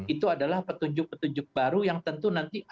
itu adalah petunjuk petunjuk baru yang tentu nanti